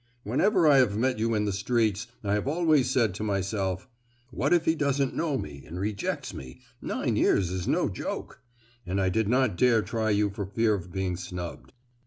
Whenever I have met you in the streets I have always said to myself, 'What if he doesn't know me and rejects me—nine years is no joke!' and I did not dare try you for fear of being snubbed.